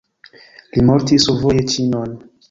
Li mortis survoje Ĉinion.